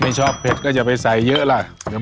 ไม่ชอบเผ็ดก็จะไปใส่เยอะล่ะเดี๋ยวมันเผ็ด